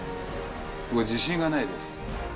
自信がないです。